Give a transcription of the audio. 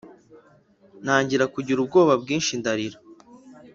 ntangira kugira ubwoba bwinshi ndarira.